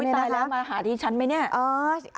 ตายแล้วมาหาที่ฉันไหมเนี่ย